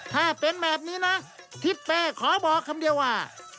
ถ้าเป็นแบบนี้นะทิศเป้ขอบอกคำเดียวว่า